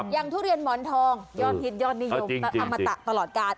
ทุเรียนหมอนทองยอดฮิตยอดนิยมอมตะตลอดกาล